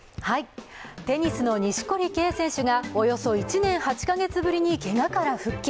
テニスの錦織圭選手がおよそ１年８か月ぶりにけがから復帰。